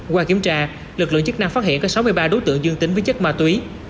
qua kiểm tra lực lượng chức năng phát hiện có sáu mươi ba đối tượng dương tính với chất ma túy